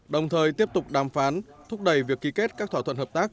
đồng thời tiếp tục đàm phán thúc đẩy việc ký kết các thỏa thuận hợp tác